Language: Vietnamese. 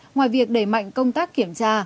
ngoài việc đẩy mạnh công tác kiểm tra